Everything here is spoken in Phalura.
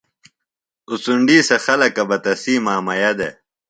اُڅنڈی سے خلکہ بہ تسی مامئیہ دےۡ